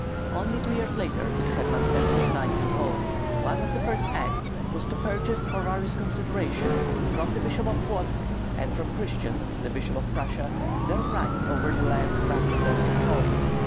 Only two years later did Herman send his knights to Culm. One of the first acts was to purchase for various considerations, from the Bishop of Plotsk and from Christian, the Bishop of Prussia, their rights over the lands granted them in Culm.